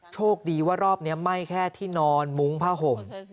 โชคดีว่ารอบนี้ไหม้แค่ที่นอนมุ้งผ้าห่ม